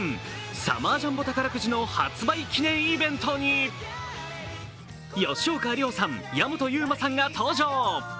サマージャンボ宝くじの発売記念イベントに吉岡里帆さん、矢本悠馬さんが登場。